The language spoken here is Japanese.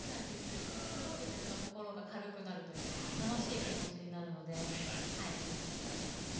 すごく心が軽くなるというか楽しい気持ちになるので聴いてしまいます。